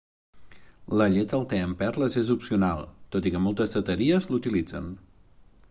La llet al te amb perles és opcional, tot i que moltes teteries l'utilitzen.